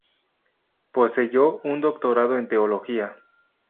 Poseyó un doctorado en teología.